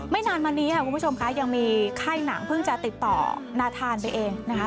นานมานี้ค่ะคุณผู้ชมค่ะยังมีค่ายหนังเพิ่งจะติดต่อนาธานไปเองนะคะ